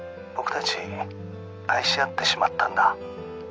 「僕たち愛し合ってしまったんだ」